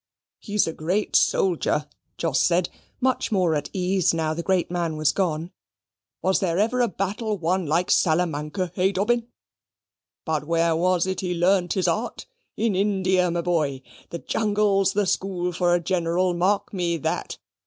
"He's a great soldier," Jos said, much more at ease now the great man was gone. "Was there ever a battle won like Salamanca? Hey, Dobbin? But where was it he learnt his art? In India, my boy! The jungle's the school for a general, mark me that.